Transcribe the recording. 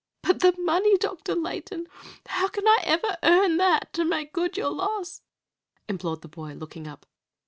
"But the money, Dr. Layton! How can I ever earn that to make good your loss?" implored the boy, looking up.